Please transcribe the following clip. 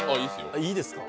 いいですか？